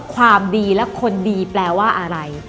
ความดีและคนดีแปลว่าอะไร